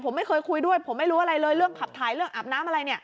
ผมไม่เคยคุยด้วยผมไม่รู้อะไรเลยเรื่องขับถ่ายเรื่องอาบน้ำอะไรเนี่ย